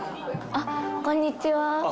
あっこんにちは。